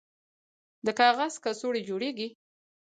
د کاغذ کڅوړې جوړیږي؟